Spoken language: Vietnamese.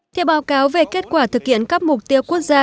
theo báo cáo về kết quả thực hiện các mục tiêu quốc gia